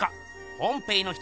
ポンペイの人たち